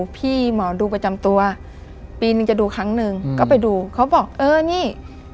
พี่หมอดูประจำตัวปีนึงจะดูครั้งหนึ่งก็ไปดูเขาบอกเออนี่